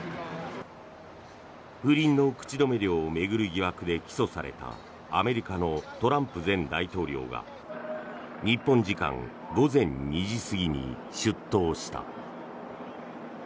不倫の口止め料を巡る疑惑で起訴されたアメリカのトランプ前大統領が日本時間午前２時過ぎに出頭した。